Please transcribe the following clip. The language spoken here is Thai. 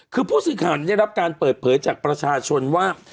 คือผู้สื่อข่าวได้รับการเปิดเผยจากประชาชนว่า